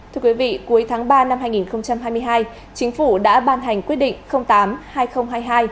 cuối tháng ba năm hai nghìn hai mươi hai chính phủ đã ban hành quyết định tám